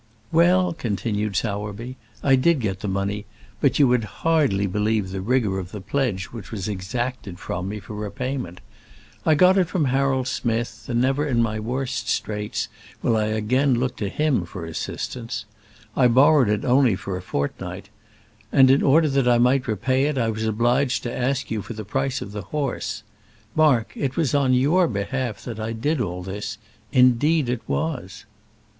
"Well," continued Sowerby, "I did get the money, but you would hardly believe the rigour of the pledge which was exacted from me for repayment. I got it from Harold Smith, and never, in my worst straits, will I again look to him for assistance. I borrowed it only for a fortnight; and in order that I might repay it, I was obliged to ask you for the price of the horse. Mark, it was on your behalf that I did all this, indeed it was."